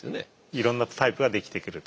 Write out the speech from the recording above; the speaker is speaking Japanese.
いろんなタイプができてくると。